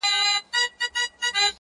تا پر اوږده ږيره شراب په خرمستۍ توی کړل؛